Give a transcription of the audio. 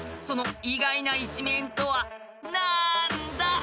［その意外な一面とはなんだ？］